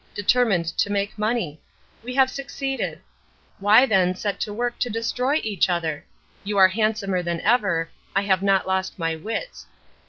determined to make money. We have succeeded. Why then set to work to destroy each other? You are handsomer than ever, I have not lost my wits.